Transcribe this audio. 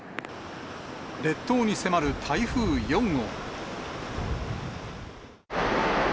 列島に迫る台風４号。